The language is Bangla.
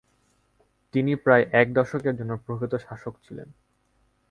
তিনি প্রায় এক দশকের জন্য প্রকৃত শাসক ছিলেন।